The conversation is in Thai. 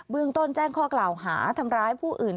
เมืองต้นแจ้งข้อกล่าวหาทำร้ายผู้อื่น